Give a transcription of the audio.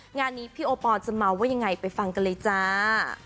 งานนี้พี่โอปอลจะเมาว่ายังไงไปฟังกันเลยจ้า